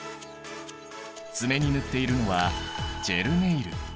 爪に塗っているのはジェルネイル。